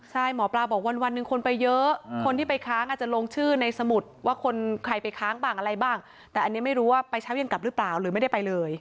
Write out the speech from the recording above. ใช่หมอปลาบอกวันหนึ่งคนไปเยอะคนที่ไปค้างอาจจะลงชื่อในสมุดว่าคนใครไปค้างบ้างอะไรบ้างแต่อันนี้ไม่รู้ว่าไปเช้าเย็นกลับหรือเปล่าหรือไม่ได้ไปเลย